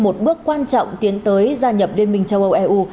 một bước quan trọng tiến tới gia nhập liên minh châu âu eu